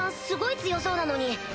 すごい強そうなのに。